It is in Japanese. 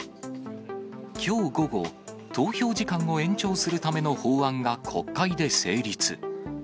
きょう午後、投票時間を延長するための法案が国会で成立。